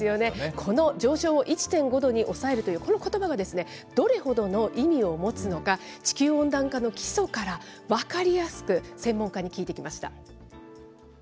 この上昇を１．５度に抑えるというこのことばが、どれほどの意味を持つのか、地球温暖化の基礎から、分かりやすく専門家に聞いてきました。